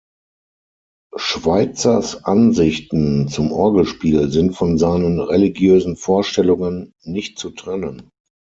Schweitzers Ansichten zum Orgelspiel sind von seinen religiösen Vorstellungen nicht zu trennen.